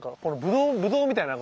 ぶどうみたいな。